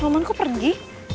roman kok pergi